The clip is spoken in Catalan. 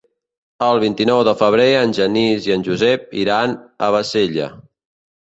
El vint-i-nou de febrer en Genís i en Josep iran a Bassella.